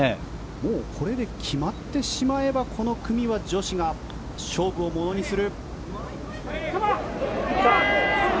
もうこれで決まってしまえば、この組は女子が勝負をものにする。